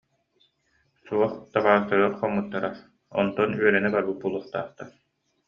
Суох, табаарыстарыгар хоммуттара, онтон үөрэнэ барбыт буолуохтаахтар